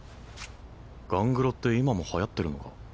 ガングロって今もはやってるのか？